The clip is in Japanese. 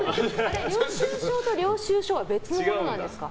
領収書と領収証は別のものなんですか？